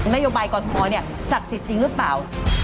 โยบายกรทมเนี่ยศักดิ์สิทธิ์จริงหรือเปล่า